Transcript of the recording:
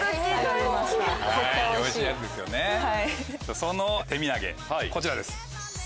その手土産こちらです。